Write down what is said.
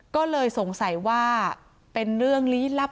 ก็เลยสงสัยว่าเป็นเรื่องลี้ลับ